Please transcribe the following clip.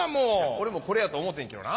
俺もこれやと思うてんけどな。